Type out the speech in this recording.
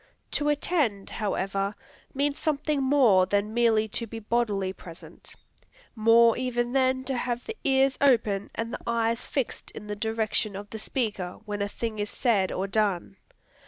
To attend, however, means something more than merely to be bodily present, more even than to have the ears open and the eyes fixed in the direction of the speaker, when a thing is said, or done.